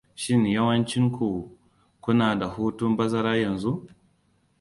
Shin yawancinku kuna da hutun bazara yanzu?